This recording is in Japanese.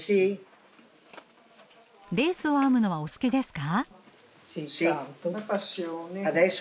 レースを編むのはお好きですか？